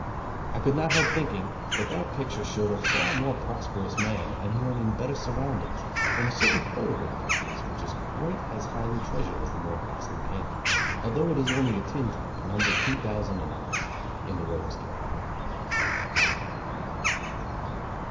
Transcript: I could not help thinking that that picture showed a far more prosperous man and one in better surroundings than a certain photograph of his which is quite as highly treasured as the more costly painting; although it is only a tintype, numbered two thousand and odd, in the Rogues' Gallery.